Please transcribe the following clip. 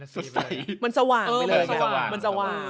มันสว่าง